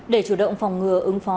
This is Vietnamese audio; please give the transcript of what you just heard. để chủ động phòng ngừa ứng phó